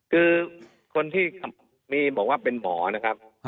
คือคนที่มีบอกว่าเป็นหมอนะครับ